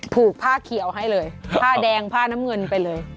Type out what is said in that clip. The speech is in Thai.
ผูกผ้าเขียวให้เลยผ้าแดงผ้าน้ำเงินไปเลย